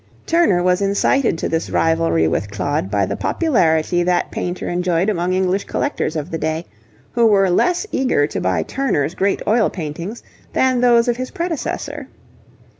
Turner was incited to this rivalry with Claude by the popularity that painter enjoyed among English collectors of the day, who were less eager to buy Turner's great oil paintings than those of his predecessor.